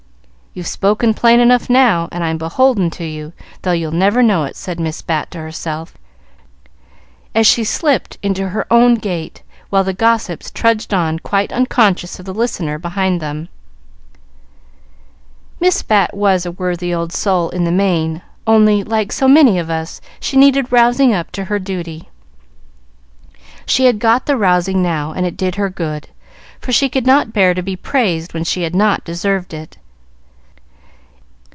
"You've spoken plain enough now, and I'm beholden to you, though you'll never know it," said Miss Bat to herself, as she slipped into her own gate, while the gossips trudged on quite unconscious of the listener behind them. Miss Bat was a worthy old soul in the main, only, like so many of us, she needed rousing up to her duty. She had got the rousing now, and it did her good, for she could not bear to be praised when she had not deserved it.